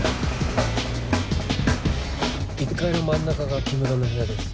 １階の真ん中が木村の部屋です。